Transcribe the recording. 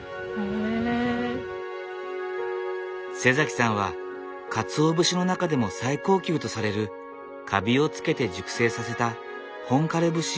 さんはかつお節の中でも最高級とされるかびをつけて熟成させた本枯節を主に作っている。